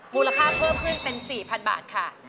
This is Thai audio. มูลค่าเพิ่มขึ้นเป็น๔๐๐๐บาทค่ะ